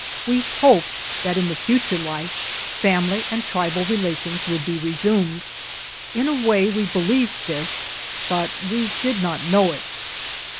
We hoped that in the future life family and tribal relations would be resumed. In a way we believed this, but we did not know it.